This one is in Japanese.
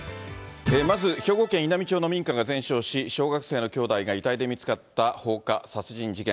まず、兵庫県稲美町の民家が全焼し、小学生の兄弟が遺体で見つかった放火殺人事件。